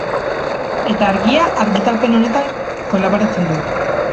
Eta Argia argitalpenetan kolaboratzen du.